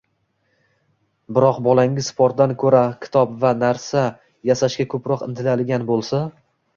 Biroq bolangiz sportdan ko‘ra kitob va narsa yasashga ko‘proq intiladigan bo‘lsa